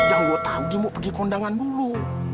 yang gue tahu dia mau pergi kondangan dulu